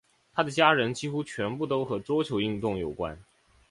她的家人几乎全部都和桌球运动有关。